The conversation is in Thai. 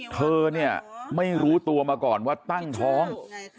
เธอเนี่ยไม่รู้ตัวมาก่อนว่าตั้งท้อง